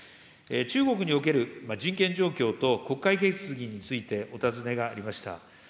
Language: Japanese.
中国における人権状況と国会決議について、お尋ねがありました。